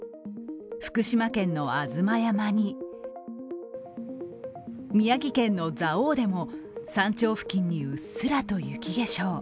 福島県の吾妻山に宮城県の蔵王でも山頂付近にうっすらと雪化粧。